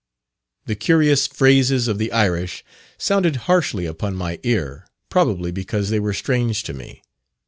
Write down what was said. The curious phrases of the Irish sounded harshly upon my ear, probably, because they were strange to me.